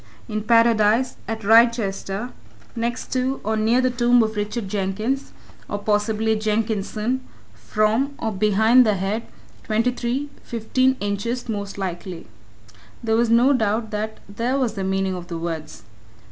In Paradise, at Wrychester, next to, or near, the tomb of Richard Jenkins, or, possibly, Jenkinson, from, or behind, the head, twenty three, fifteen inches, most likely. There was no doubt that there was the meaning of the words.